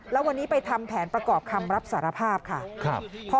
แล้ววันนี้ไปทำแผนประกอบคำรับสารภาพค่ะ